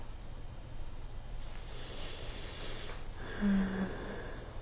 うん。